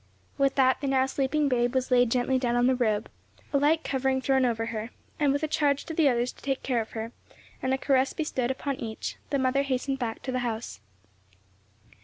With that the now sleeping babe was laid gently down on the robe, a light covering thrown over her, and with a charge to the others to take care of her, and a caress bestowed upon each, the mother hastened back to the house.